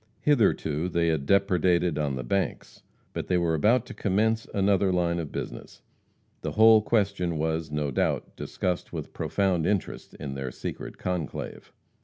Hitherto they had depredated on the banks. But they were about to commence another line of business. The whole question was, no doubt, discussed with profound interest in their secret conclave.